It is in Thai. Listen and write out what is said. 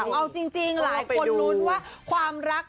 เอาจริงหลายคนลุ้นว่าความรัก